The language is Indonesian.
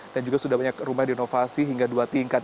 dan juga sudah banyak rumah di inovasi hingga dua tingkat